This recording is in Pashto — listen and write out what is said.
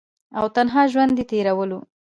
او تنها ژوند ئې تيرولو ۔